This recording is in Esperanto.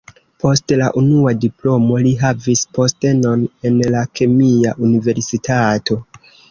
Post la unua diplomo li havis postenon en la kemia universitato.